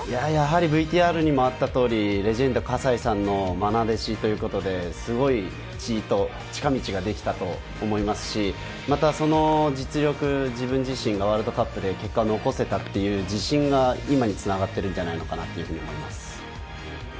やはりＶＴＲにもあったとおりレジェンド・葛西さんのまな弟子ということですごい近道をできたと思いますし、また、その実力、自分自身がＷ杯で結果を残せたという自信が今につながっているんじゃないのかなというふうに思います。